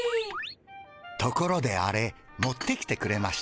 ところでアレ持ってきてくれました？